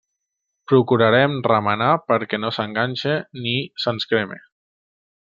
Procurarem remenar perquè no s'enganxe ni se'ns creme.